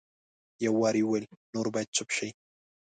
یو وار یې وویل نور باید چپ شئ.